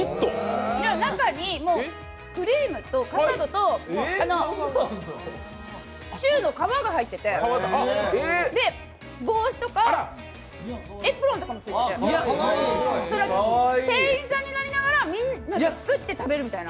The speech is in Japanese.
中にカスタードクリームとシューの皮が入っていて、帽子とかエプロンとかもついて、店員さんになりながら、みんなで作って食べるみたいな。